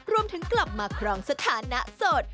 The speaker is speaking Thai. รวมถึงกลับมาครองสถานะโสด